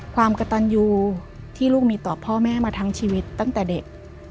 ความกระตันยูที่ลูกมีต่อพ่อแม่มาทั้งชีวิตตั้งแต่เด็ก